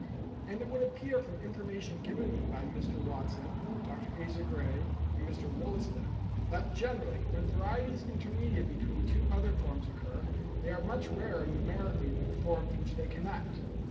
And it would appear from information given me by Mr. Watson, Dr. Asa Gray, and Mr. Wollaston, that generally, when varieties intermediate between two other forms occur, they are much rarer numerically than the forms which they connect.